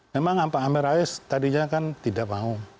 memang pak amin rais tadinya kan tidak mau